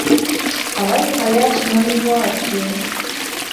Alabika ye akimanyi bw'atyo.